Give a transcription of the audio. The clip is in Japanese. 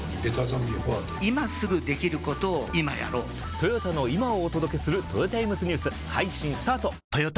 トヨタの今をお届けするトヨタイムズニュース配信スタート！！！